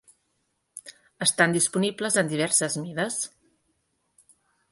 Estan disponibles en diverses mides.